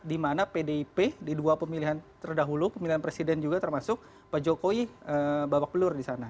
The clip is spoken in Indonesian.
di mana pdip di dua pemilihan terdahulu pemilihan presiden juga termasuk pak jokowi babak belur di sana